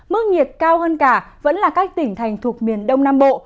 mức nhiệt cao hơn cả vẫn là các tỉnh thành thuộc miền đông nam bộ